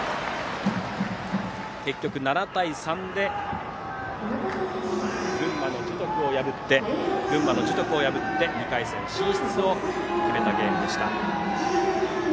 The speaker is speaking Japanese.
結局、７対３で群馬の樹徳を破って２回戦進出を決めたゲームでした。